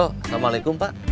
halo assalamualaikum pak